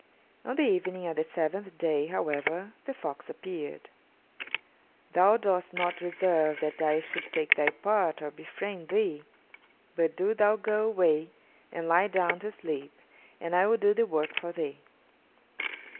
On the evening of the seventh day, however, the fox appeared. "Thou dost not deserve that I should take thy part or befriend thee, but do thou go away and lie down to sleep, and I will do the work for thee."